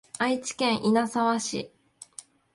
愛知県稲沢市